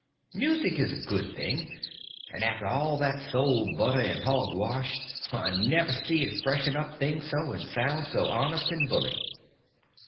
Music is a good thing; and after all that soul butter and hogwash I never see it freshen up things so, and sound so honest and bully.